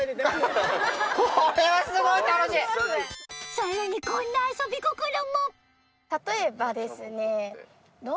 さらにこんな遊び心も例えば。